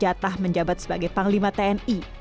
pemilihan kekuasaan dan kekuasaan untuk kekuasaan